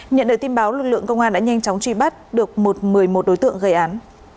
nhận được tin báo lực lượng công an đã nhanh chóng truy bắt được một mươi một đối tượng gây án